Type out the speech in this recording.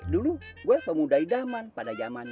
dulu gua pemuda idaman pada jamannya